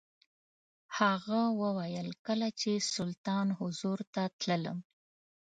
هغه وویل کله چې سلطان حضور ته تللم.